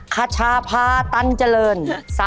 ๒คชาพาตรัญจรรย์